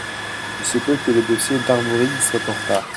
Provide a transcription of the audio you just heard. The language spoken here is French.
il se peut que le dossier d'Arvorig soir en retard.